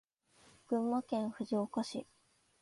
群馬県藤岡市